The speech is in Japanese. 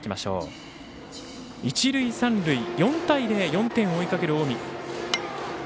一塁三塁、４対０４点を追いかける近江。